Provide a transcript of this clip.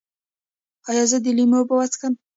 ایا زه د لیمو اوبه وڅښم؟